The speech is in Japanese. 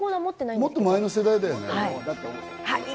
もっと前の世代だよね。